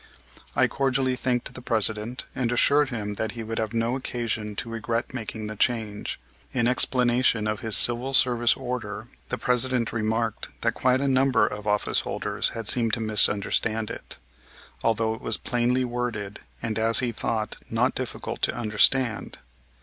I cordially thanked the President, and assured him that he would have no occasion to regret making the change. In explanation of his Civil Service order the President remarked that quite a number of office holders had seemed to misunderstand it, although it was plainly worded, and, as he thought, not difficult to understand.